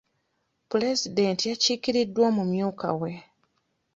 Pulezidenti yakiikiriddwa omumyuuka we.